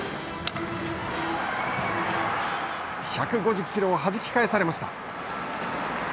１５０キロをはじき返されました。